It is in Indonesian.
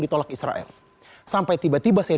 ditolak israel sampai tiba tiba saya